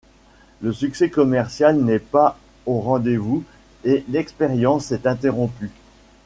Le succès commercial n'est pas au rendez-vous et l'expérience est interrompue.